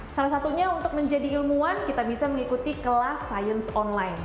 salah satunya untuk menjadi ilmuwan kita bisa mengikuti kelas sains online